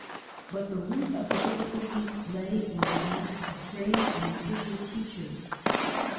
But the root of the difficulty lay in the lack of trained and efficient teachers.